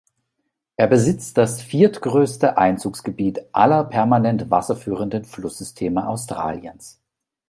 Er besitzt das viertgrößte Einzugsgebiet aller permanent wasserführenden Flusssysteme Australiens.